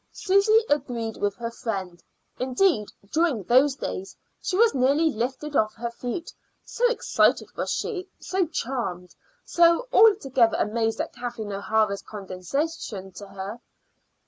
Susy agreed with her friend; indeed, during those days she was nearly lifted off her feet, so excited was she, so charmed, so altogether amazed at Kathleen O'Hara's condescension to her.